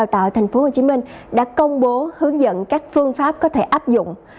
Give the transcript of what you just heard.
tại tp hcm đã công bố hướng dẫn các phương pháp có thể áp dụng